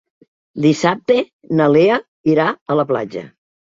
Dissabte na Lea irà a la platja.